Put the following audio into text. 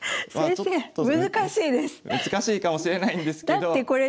難しいかもしれないんですけど。